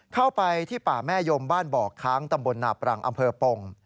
เข้าไปที่ป่าแม่ยมบ้านบ่อค้างตำบลนาปรังอำเภอปง